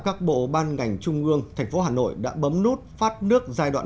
các bộ ban ngành trung ương